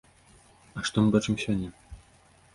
А што мы бачым сёння?